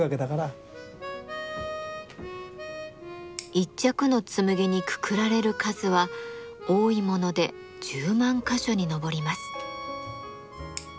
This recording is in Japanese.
一着の紬にくくられる数は多いもので１０万か所に上ります。